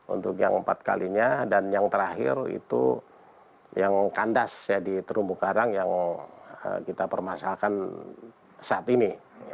untuk yang empat kalinya dan yang terakhir itu yang kandas di terumbu karang yang kita permasalahkan saat ini